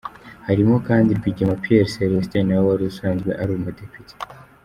Harimo kandi Rwigema Pierre Celestin nawe wari usanzwe ari umudepite.